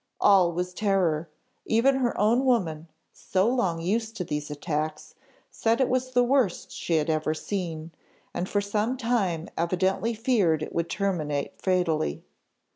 All was terror! Even her own woman, so long used to these attacks, said it was the worst she had ever seen, and for some time evidently feared it would terminate fatally.